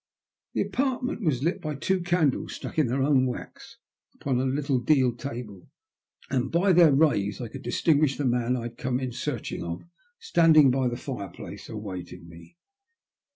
The apartment was lit by two candles stuck in their own wax upon a little deal table, and by their rays I could distinguish the man I had come in search of standing by the fireplace awaiting me.